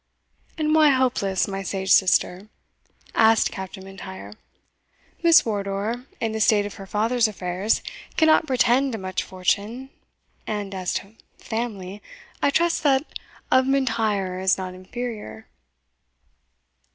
"And why hopeless, my sage sister?" asked Captain M'Intyre: "Miss Wardour, in the state of her father's affairs, cannot pretend to much fortune; and, as to family, I trust that of Mlntyre is not inferior."